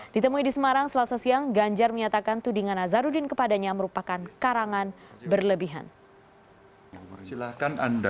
ditemui di semarang selasa siang ganjar menyatakan tudingan nazarudin kepadanya merupakan karangan berlebihan